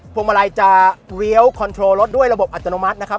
วงมาลัยจะเลี้ยวคอนโทรลรถด้วยระบบอัตโนมัตินะครับ